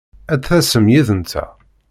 Ad d-tasem yid-nteɣ!